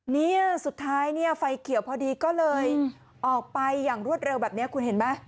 เนี่ยสุดท้ายเนี่ยไฟเขียวพอดีก็เลยออกไปอย่างรวดเร็วแบบนี้คุณเห็นไหม